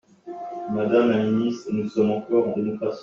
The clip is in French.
Madame la ministre, nous sommes encore en démocratie.